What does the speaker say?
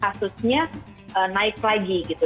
kasusnya naik lagi gitu